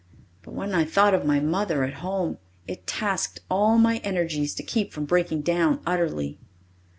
But when I thought of my mother at home, it tasked all my energies to keep from breaking down utterly.